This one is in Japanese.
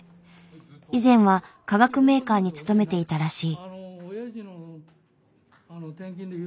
以前は化学メーカーに勤めていたらしい。